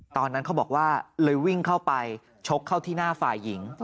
ตอนนั้นเขาบอกว่าเลยวิ่งเข้าไปชกเข้าที่หน้าฝ่ายหญิง